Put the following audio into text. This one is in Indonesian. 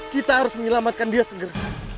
kita harus menyelamatkan dia segera